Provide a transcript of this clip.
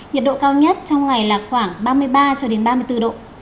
nhiệt độ cao nhất trong ngày là khoảng ba mươi ba cho đến ba mươi bốn độ